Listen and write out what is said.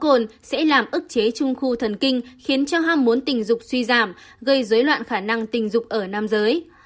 chứng dụng rượu bia có cồn sẽ làm ức chế trung khu thần kinh khiến cho ham muốn tình dục suy giảm gây dối loạn khả năng tình dục ở nam giới